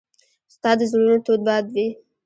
استاد د زړونو تود باد وي.